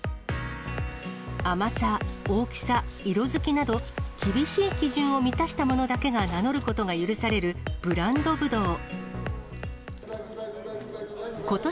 甘さ、大きさ、色づきなど、厳しい基準を満たしたものだけが名乗ることが許されるブランドぶどう。